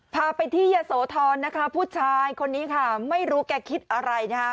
พาไปที่ยะโสธรนะคะผู้ชายคนนี้ค่ะไม่รู้แกคิดอะไรนะคะ